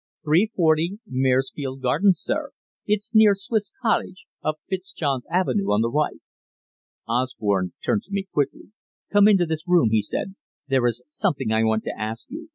"Three forty, Maresfield Gardens, sir. It's near Swiss Cottage up Fitzjohn's Avenue on the right." Osborne turned to me quickly. "Come into this room," he said. "There is something I want to ask you.